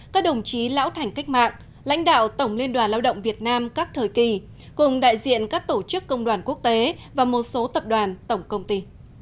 các đồng chí lão thành cách mạng lãnh đạo tổng liên đoàn lao động việt nam các thời kỳ cùng đại diện các tổ chức công đoàn quốc tế và một số tập đoàn tổng công ty